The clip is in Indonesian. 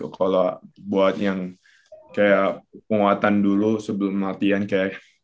kalau buat yang kayak penguatan dulu sebelum latihan kayak